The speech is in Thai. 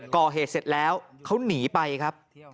ก่อเหตุเสร็จแล้วเขาหนีไปครับ